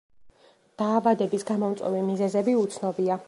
დაავადების გამომწვევი მიზეზები უცნობია.